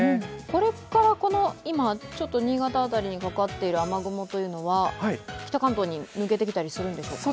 これから新潟辺りにかかっている雨雲というのは北関東に抜けてきたりするんでしょうか。